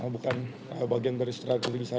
bukan bagian dari strategi saya